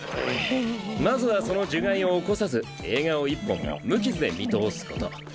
まずはその呪骸を起こさず映画を１本無傷で見通すこと。